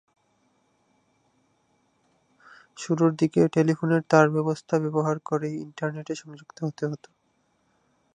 শুরুর দিকে টেলিফোনের তার ব্যবস্থা ব্যবহার করেই ইন্টারনেটে সংযুক্ত হতে হত।